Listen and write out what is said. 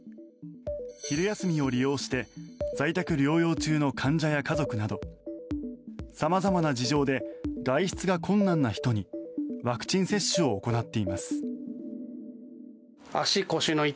昼休みを利用して在宅療養中の患者や家族など様々な事情で外出が困難な人にワクチン接種を行っています。